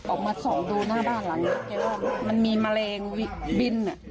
ออกมาสองตรงหน้าบ้านหลังแกว่ามันมีแมลงบิ้น